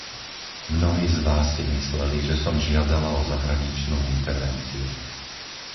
Mnohí z vás si mysleli, že som žiadala o zahraničnú intervenciu.